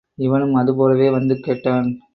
இவனும் அதுபோலவே வந்து கேட்டான்.